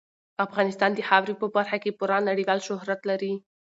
افغانستان د خاورې په برخه کې پوره نړیوال شهرت لري.